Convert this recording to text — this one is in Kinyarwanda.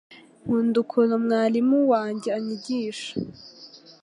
nkunda ukuntu mwalimu wanjye anyigisha